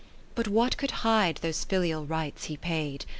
But what could hide those filial rites he paid